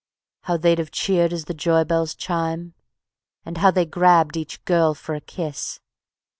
How they'd have cheered as the joy bells chime, And they grabbed each girl for a kiss!